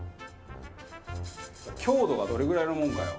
強度はどれぐらいのもんかよ。